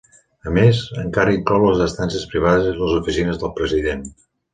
A més, encara inclou les estances privades i les oficines del president.